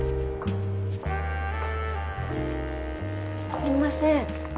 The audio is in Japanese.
すいません。